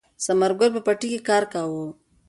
ثمر ګل په پټي کې کار کاوه.